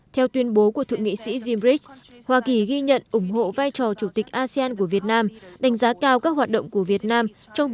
theo tuyên bố của thượng nghị sĩ gimbrich hoa kỳ ghi nhận ủng hộ vai trò chủ tịch asean của việt nam